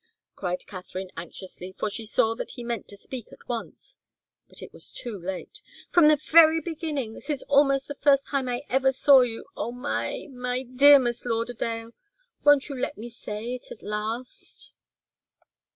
cried Katharine, anxiously, for she saw that he meant to speak at once but it was too late. "From the very beginning, since almost the first time I ever saw you oh, my my dear Miss Lauderdale won't you let me say it at last?"